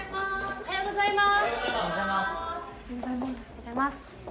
おはようございます。